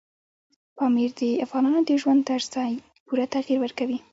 پامیر د افغانانو د ژوند طرز ته پوره تغیر ورکوي.